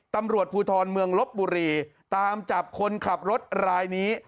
ตำรวจภูทรเมืองลบบุรีตามจับคนขับรถรายนี้